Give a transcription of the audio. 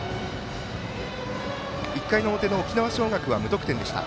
１回の表、沖縄尚学は無得点でした。